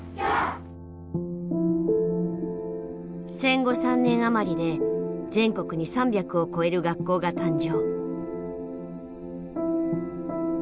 戦後３年あまりで全国に３００を超える学校が誕生。